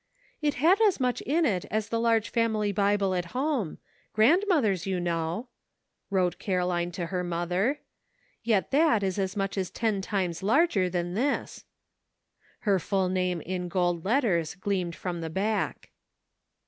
"It had as much in it as the 312 "MERRY CHRISTMAS." large family Bible at home — Grandmothei 's, you know," wrote Caroline to her mother, "yet that is as much as ten times larger than this." Her full name in gold letters gleamed from the back.